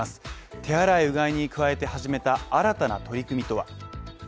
手洗いうがいに加えて始めた新たな取り組みとは。